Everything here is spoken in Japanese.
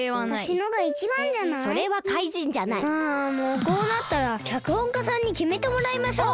あもうこうなったらきゃくほんかさんにきめてもらいましょう。